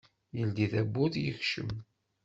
Yeldi tawwurt yekcem.